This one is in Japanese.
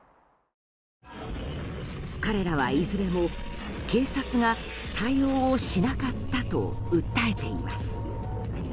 彼らはいずれも警察が対応をしなかったと訴えています。